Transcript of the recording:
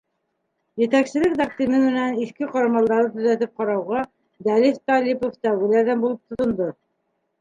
Етәкселек тәҡдиме менән иҫке ҡорамалдарҙы төҙәтеп ҡарауға Дәлиф Талипов тәүгеләрҙән булып тотондо.